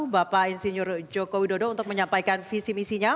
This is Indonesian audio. bapak insinyur joko widodo untuk menyampaikan visi misinya